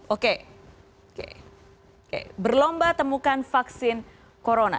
oke oke berlomba temukan vaksin corona